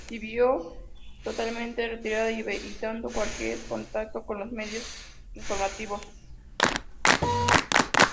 Vivió totalmente retirada y evitando cualquier contacto con los medios informativos.